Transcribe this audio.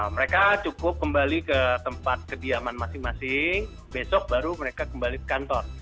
mereka cukup kembali ke tempat kediaman masing masing besok baru mereka kembali ke kantor